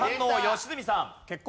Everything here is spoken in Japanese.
良純さん。